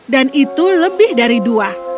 dan itu lebih dari dua